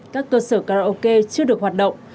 các cơ sở karaoke chưa được hoạt động